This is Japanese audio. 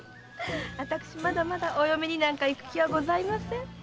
私まだまだお嫁になんか行く気はございません。